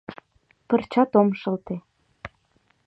Пырчат ом шылте.